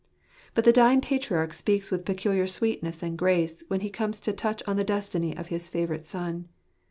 But the dying patriarch speaks with peculiar sweetness and grace, when he comes to touch on the destiny of his favourite son.